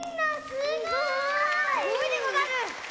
すごいでござる！